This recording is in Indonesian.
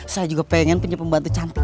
saya juga pengen punya pembantu cantik